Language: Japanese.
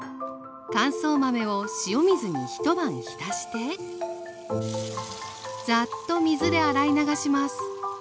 乾燥豆を塩水に一晩浸してザーッと水で洗い流します